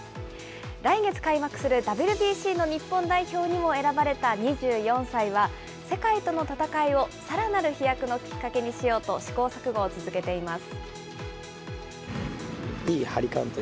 来月開幕するＷＢＣの日本代表にも選ばれた２４歳は、世界との戦いをさらなる飛躍のきっかけにしようと試行錯誤を続けています。